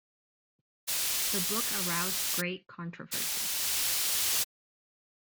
The book aroused great controversy.